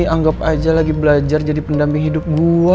anggap aja lagi belajar jadi pendamping hidup gue